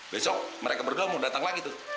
besok mereka berdua mau datang lagi tuh